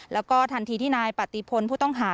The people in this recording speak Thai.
แล้วก็ทันทีที่นายปฏิพลผู้ต้องหา